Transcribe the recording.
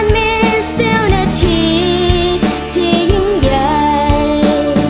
มิเซลนาทีที่ยังใหญ่